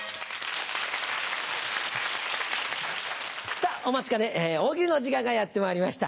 さあ、お待ちかね、大喜利の時間がやってまいりました。